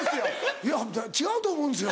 いや違うと思うんですよ。